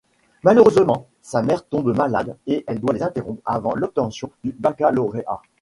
Malheureusement, sa mère tombe malade et elle doit les interrompre avant l'obtention du baccalauréat.